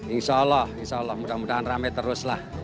insya allah insya allah mudah mudahan rame terus lah